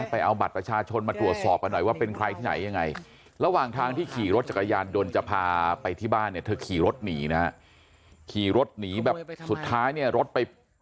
ไปเอาบัตรประชาชนมาตรวจสอบหน่อยว่าเป็นใครที่ไหนยังไง